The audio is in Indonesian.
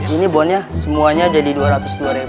ini bonnya semuanya jadi rp dua ratus dua